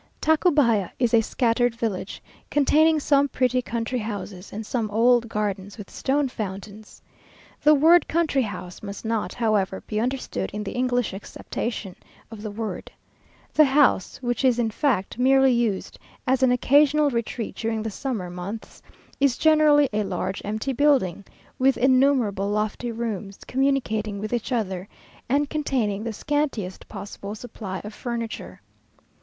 Tacubaya is a scattered village, containing some pretty country houses, and some old gardens with stone fountains. The word country house must not, however, be understood in the English acceptation of the word. The house, which is in fact merely used as an occasional retreat during the summer months, is generally a large empty building, with innumerable lofty rooms, communicating with each other, and containing the scantiest possible supply of furniture.